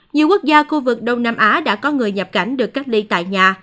nhiều quốc gia khu vực đông nam á đã có người nhập cảnh được cách ly tại nhà